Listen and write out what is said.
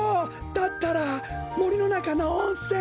だったらもりのなかのおんせん！